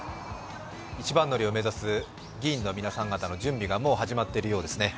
一番乗りを目指す議員の皆さん方の準備がもう始まっているようですね。